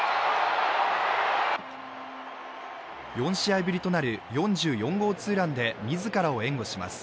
４試合ぶりとなる４４号ツーランで自らを援護します。